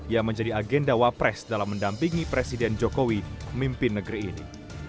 yang menjadi agenda wapres dalam mendampingi presiden jokowi mimpin negeri ini